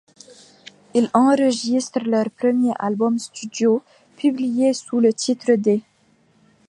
Ils enregistrent leur premier album studio, publié sous le titre d’'.